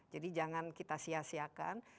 jadi jangan kita sia siakan